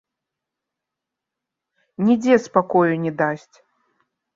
Нідзе спакою не дасць.